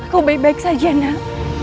kau baik baik saja nak